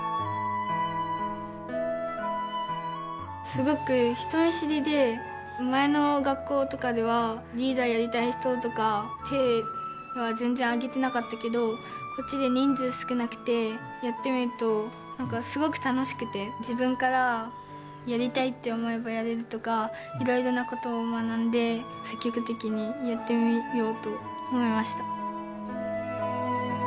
すごく人見知りで前の学校とかではリーダーやりたい人とか手が全然挙げてなかったけどこっちで人数少なくてやってみると何かすごく楽しくて自分からやりたいって思えばやれるとかいろいろなことを学んで積極的にやってみようと思いました。